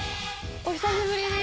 お久しぶりです。